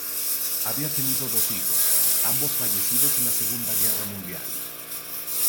Había tenido dos hijos, ambos fallecidos en la Segunda Guerra Mundial.